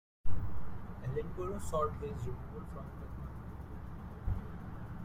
Ellenborough sought his removal from Kathmandu.